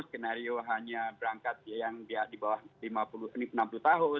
skenario hanya berangkat yang di bawah lima puluh enam puluh tahun